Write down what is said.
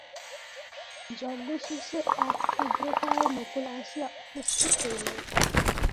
যজ্ঞশেষে এক ক্ষুদ্রকায় নকুল আসিয়া উপস্থিত হইল।